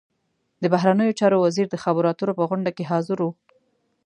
د بهرنیو چارو وزیر د خبرو اترو په غونډه کې حاضر و.